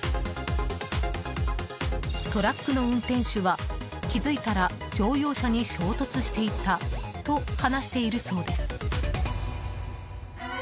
トラックの運転手は気づいたら乗用車に衝突していたと話しているそうです。